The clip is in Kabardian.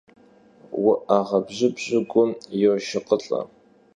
УӀэгъэ бжьыбжьыр гум йошыкъылӀэ.